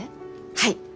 はい。